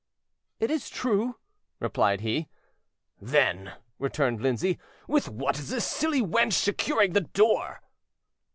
"It is true," replied he. "Then," returned Lindsay, "with what is this silly wench securing the door?"